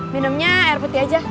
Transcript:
minumnya air putih aja